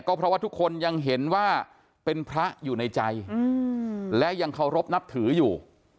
เพราะว่าทุกคนยังเห็นว่าเป็นพระอยู่ในใจและยังเคารพนับถืออยู่